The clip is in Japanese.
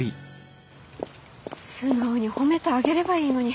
素直に褒めてあげればいいのに。